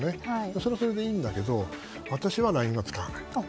それはそれでいいんだけど私はＬＩＮＥは使わない。